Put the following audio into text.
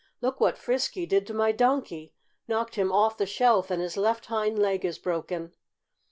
"Look what Frisky did to my Donkey! Knocked him off the shelf, and his left hind leg is broken."